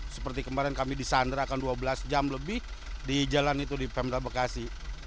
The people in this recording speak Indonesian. seperti kemarin kami disandarkan dua belas jam lebih di jalan itu di pemprov bekasi